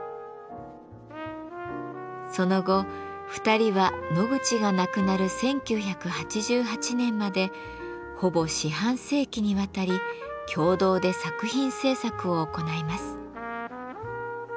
その後２人はノグチが亡くなる１９８８年までほぼ四半世紀にわたり共同で作品制作を行います。